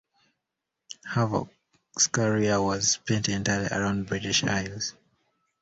"Havock"s career was spent entirely around the British Isles.